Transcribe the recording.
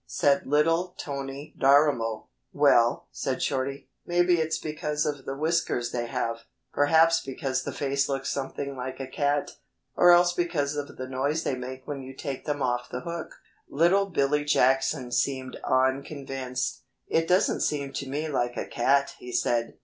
said little Tony Darimo. "Well," said Shorty, "maybe it's because of the whiskers they have; perhaps because the face looks something like a cat, or else because of the noise they make when you take them off the hook." Little Billy Jackson seemed unconvinced. "It doesn't seem to me like a cat," he said.